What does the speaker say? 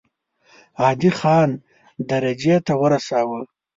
عادي خان درجې ته ورساوه.